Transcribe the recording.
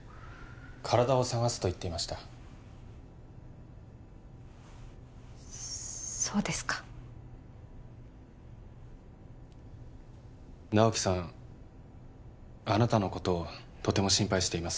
体を捜すと言っていましたそうですか直木さんあなたのことをとても心配しています